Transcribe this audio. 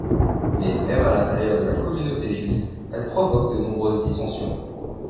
Mais même à l'intérieur de la communauté juive, elle provoque de nombreuses dissensions.